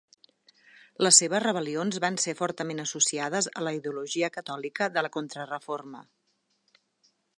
Les seves rebel·lions van ser fortament associades a la ideologia catòlica de la Contrareforma.